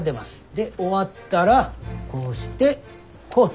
で終わったらこうしてこうと。